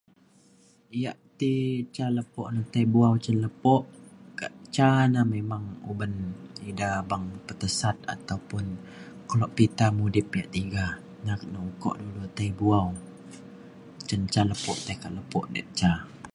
ya' ti ca lepo tai bu'au cen lepo ka' ca ne memang oban eda beng petesat ataupun keluk pita mudip ya' tiga ngan ukok lu tai bu'au cen ca lepo tai ka lepo da' ca.